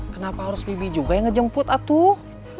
kenapa harus bibi juga yang ngejemput atuh